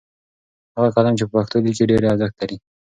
هغه قلم چې په پښتو لیکي ډېر ارزښت لري.